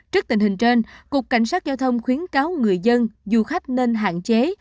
trước tình hình trên cục cảnh sát giao thông khuyến cáo người dân du khách nên hạn chế